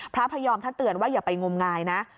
พระพยอมท่านเตือนว่าอย่าไปงมงายนะ